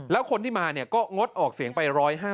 แล้วคนที่มาก็งดออกเสียงไป๑๕๐